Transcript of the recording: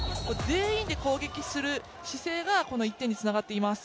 全員で攻撃する姿勢が、この１点につながっています。